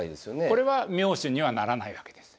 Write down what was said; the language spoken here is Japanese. これは妙手にはならないわけです。